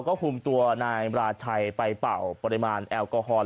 ก็คุมตัวนายราชัยไปเป่าปริมาณแอลกอฮอล